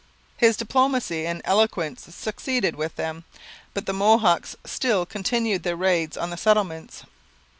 His diplomacy and eloquence succeeded with them, but the Mohawks still continued their raids on the settlements.